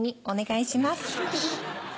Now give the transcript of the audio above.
お願いします。